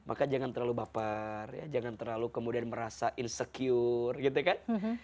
maka jangan terlalu baper jangan terlalu kemudian merasa insecure gitu kan